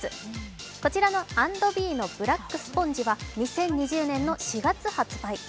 こちらの＆ｂｅのブラックスポンジは２０２０年の４月発売。